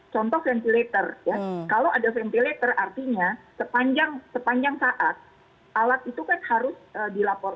contoh ventilator ya kalau ada ventilator artinya sepanjang saat alat itu kan harus dilaporkan